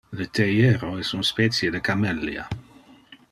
Le theiero es un specie de camellia.